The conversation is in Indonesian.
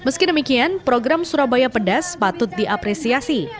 meski demikian program surabaya pedas patut diapresiasi